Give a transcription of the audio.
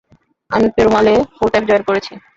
আমি পেরুমালে full time join করেছি।